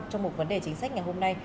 trong một vấn đề chính sách ngày hôm nay